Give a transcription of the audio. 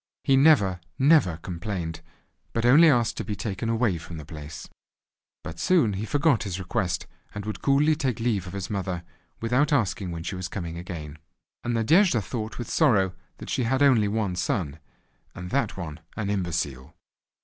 He never, never complained, but only asked to be taken away from the place. But he soon forgot his request, and would coolly take leave of his mother, without asking when she was coming again. And Nadejda thought with sorrow that she had only one son—and that one an imbecile.